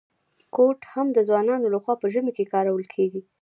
کوټ هم د ځوانانو لخوا په ژمي کي کارول کیږي.